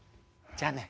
じゃあね。